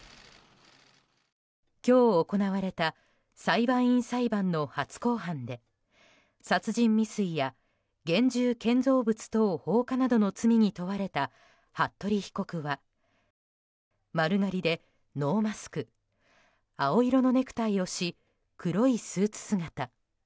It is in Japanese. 今日行われた裁判員裁判の初公判で殺人未遂や現住建造物等放火などの罪に問われた服部被告は丸刈りでノーマスク青色のネクタイをし黒いスーツ姿。